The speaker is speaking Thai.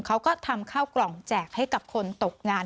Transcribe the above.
เขาก็ทำข้าวกล่องแจกให้กับคนตกงาน